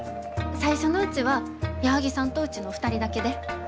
最初のうちは矢作さんとうちの２人だけで。